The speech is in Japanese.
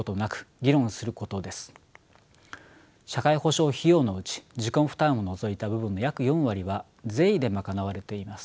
社会保障費用のうち自己負担を除いた部分の約４割は税で賄われています。